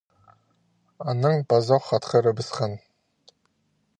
Анаң пазох хатхырыбысхан.